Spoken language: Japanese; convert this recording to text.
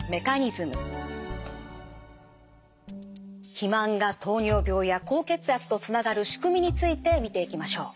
肥満が糖尿病や高血圧とつながる仕組みについて見ていきましょう。